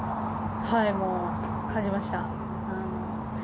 はい、感じました。